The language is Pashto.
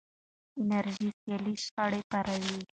انرژي سیالۍ شخړې پاروي.